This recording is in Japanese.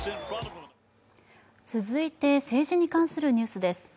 続いて、政治に関するニュースです。